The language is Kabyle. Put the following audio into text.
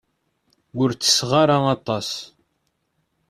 Ur tesseɣ ara aṭas.